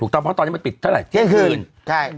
เพราะตอนนี้มันปิดเท่าไหร่เที่ยงคืนใช่